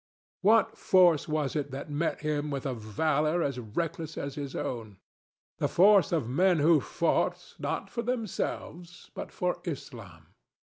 What force was it that met him with a valor as reckless as his own? The force of men who fought, not for themselves, but for Islam.